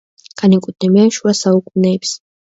განეკუთვნებიან შუა საუკუნეებს.